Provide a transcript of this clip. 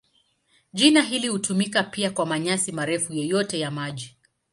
Jina hili hutumika pia kwa manyasi marefu yoyote ya maji.